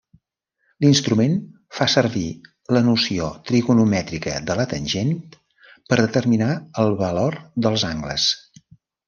L'instrument fa servir la noció trigonomètrica de la tangent per determinar el valor dels angles.